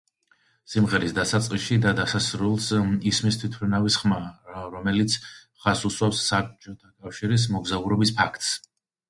სიმღერის დასაწყისში და დასასრულს ისმის თვითმფრინავის ხმა, რომელიც ხაზს უსვამს საბჭოთა კავშირში მოგზაურობის ფაქტს.